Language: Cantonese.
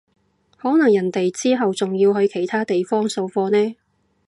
可能人哋之後仲要去其他地方掃貨呢